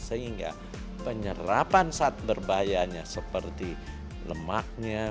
sehingga penyerapan saat berbahayanya seperti lemaknya